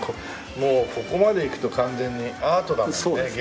もうここまでいくと完全にアートだもんね。